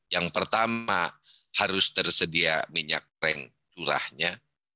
yang pertama harus tersedia minyak goreng curahnya